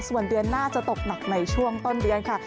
ส่วนเดือนหน้าจะตกหนักในช่วงต้นเดือนค่ะ